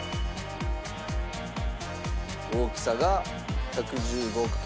大きさが１１５×６０。